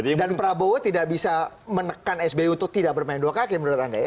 dan prabowo tidak bisa menekan sbi untuk tidak bermain dua kaki menurut anda ya